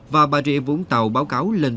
và bà trịa vũng tàu báo cáo rằng